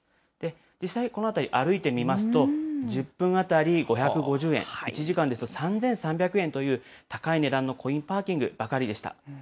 実際この辺り歩いてみますと、１０分当たり５５０円、１時間ですと３３００円という高い値段のコインパーキングばかりでした。